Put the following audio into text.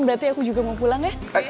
berarti aku juga mau pulang ya